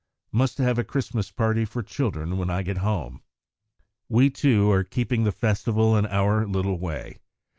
Must have a Christmas party for children when I get home. We, too, are keeping the festival in our little way.